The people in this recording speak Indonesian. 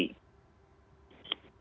perhubungan dengan skb